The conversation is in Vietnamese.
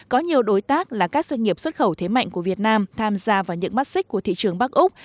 có nhiều đối tác là các doanh nghiệp xuất khẩu thế mạnh của việt nam tham gia vào những mắt xích của thị trường bắc úc